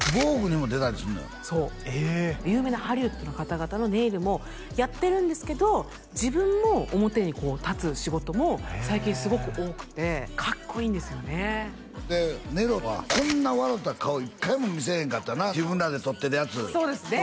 「ＶＯＧＵＥ」にも出たりすんのよええ有名なハリウッドの方々のネイルもやってるんですけど自分も表に立つ仕事も最近すごく多くてかっこいいんですよねでネロはこんな笑うた顔１回も見せへんかったな自分らで撮ってるやつそうですね